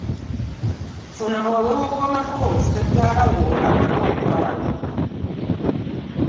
Funa we weewogomako ssezaala wo amale okuva wano.